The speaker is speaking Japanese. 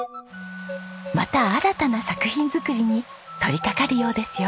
また新たな作品作りに取りかかるようですよ。